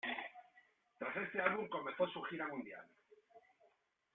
Tras este álbum comenzó su gira mundial.